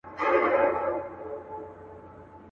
یوه خبره ورته یاده وه له پلاره څخه.